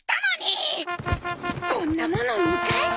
こんなもの２階に。